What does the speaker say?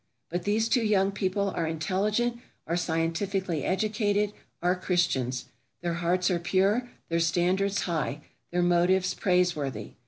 But these two young people are intelligent, are scientifically educated, are Christians. Their hearts are pure, their standards high, their motives praiseworthy.